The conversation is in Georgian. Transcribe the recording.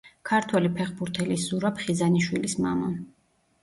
ქართველი ფეხბურთელის ზურაბ ხიზანიშვილის მამა.